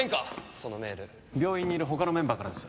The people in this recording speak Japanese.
そのメール病院にいる他のメンバーからです